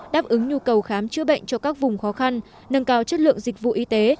đáp ứng nhu cầu khám chữa bệnh cho các vùng khó khăn nâng cao chất lượng dịch vụ y tế